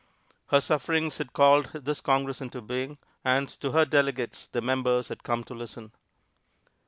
Her sufferings had called this Congress into being, and to her delegates the members had come to listen.